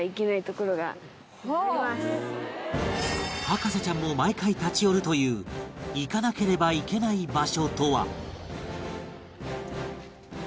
博士ちゃんも毎回立ち寄るという行かなければいけない場所とは？